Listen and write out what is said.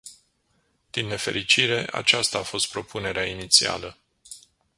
Din nefericire, aceasta a fost propunerea inițială.